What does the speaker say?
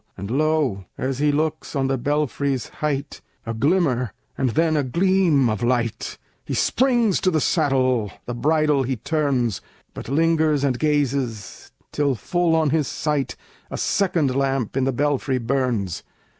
And lo! as he looks, on the belfry's height, A glimmer, and then a gleam of light! He springs to the saddle, the bridle he turns, But lingers and gazes, till full on his sight A second lamp in the belfry burns!